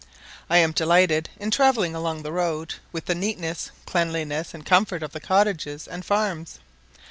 I am delighted, in travelling along the road, with the neatness, cleanliness, and comfort of the cottages and farms.